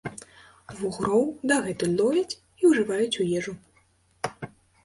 Вугроў дагэтуль ловяць і ўжываюць у ежу.